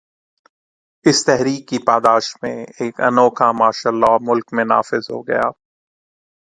اس تحریک کی پاداش میں ایک انوکھا مارشل لاء ملک میں نافذ ہو گیا۔